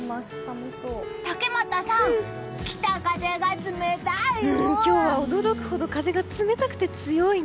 竹俣さん、北風が冷たいよ。